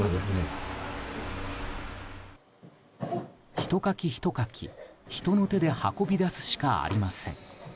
ひとかきひとかき、人の手で運び出すしかありません。